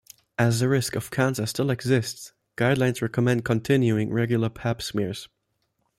As a risk of cancer still exists, guidelines recommend continuing regular Pap smears.